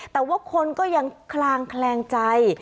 แต่ว่าคนก็ยังคลางแคลงใจ